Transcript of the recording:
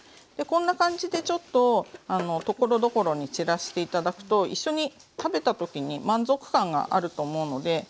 こんな感じでちょっとところどころに散らして頂くと一緒に食べた時に満足感があると思うので。